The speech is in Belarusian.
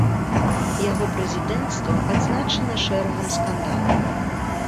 Яго прэзідэнцтва адзначана шэрагам скандалаў.